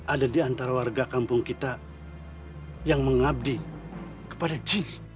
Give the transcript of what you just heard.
ada di antara warga kampung kita yang mengabdi kepada jih